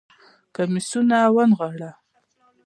کميسونه ونغاړه